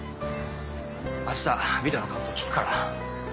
明日ビデオの感想聞くから。